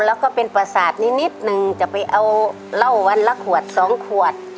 แล้วก็เป็นประสาทนิดนึงจะไปเอาเหล้าวันละขวดสองขวด